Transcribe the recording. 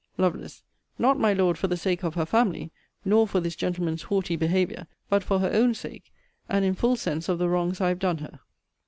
Lovel. Not, my Lord, for the sake of her family; nor for this gentleman's haughty behaviour; but for her own sake, and in full sense of the wrongs I have done her.